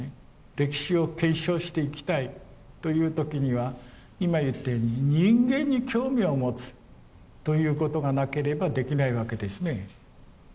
歴史を継承していきたいという時には今言ったように人間に興味を持つということがなければできないわけですね。